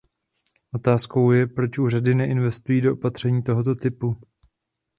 Otázkou je, proč úřady neinvestují do opatření tohoto typu.